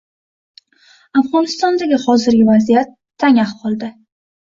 Afg‘onistondagi hozirgi vaziyat tang ahvolda.